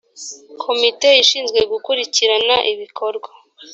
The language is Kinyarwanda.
komite ishinzwe gukurikirana ibikorwa